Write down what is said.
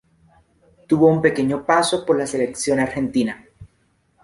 Tuvo un pequeño paso por la selección argentina.